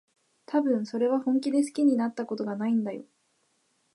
たぶん、それは本気で好きになったことがないんだよ。